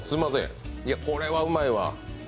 これはうまいわ。